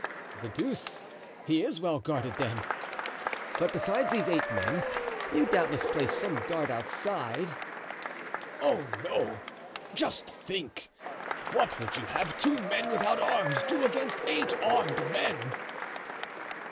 "The deuce, he is well guarded, then. But besides these eight men, you doubtless place some guard outside?" "Oh, no! Just think. What would you have two men without arms do against eight armed men?"